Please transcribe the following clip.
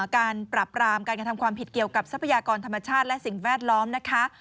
การปรับรามการกระทำความผิดเกี่ยวกับทรัพยากรธรรมชาติและสิ่งแวดล้อมนะคะ